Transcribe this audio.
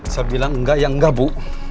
saya bilang enggak yang enggak bu